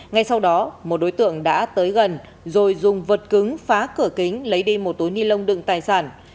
ngay sau đó một đối tượng đã tới gần rồi dùng vật cứng phá cửa kính lấy đi một túi ni lông đựng tài sản